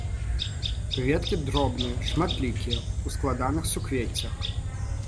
Кветкі дробныя, шматлікія, у складаных суквеццях.